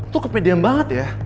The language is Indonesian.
lo kepedian banget ya